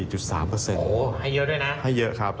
โอ้โหให้เยอะด้วยนะให้เยอะครับ